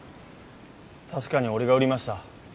確かに俺が売りました。